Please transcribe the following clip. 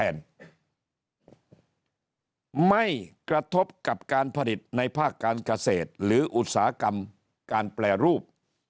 ไม่กระทบกับการผลิตในภาคการเกษตรหรืออุตสาหกรรมการแปรรูป